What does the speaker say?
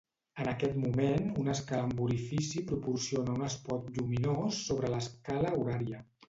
En aquest moment una escala amb orifici proporciona un espot lluminós sobre l'escala horària.